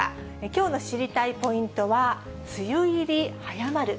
きょうの知りたいポイントは、梅雨入り早まる？